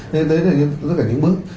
nên đấy là tất cả những bước